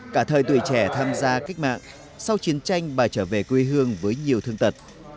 cả thời tuổi trẻ tham gia cách mạng sau chiến tranh bà trở về quê hương với nhiều thương tật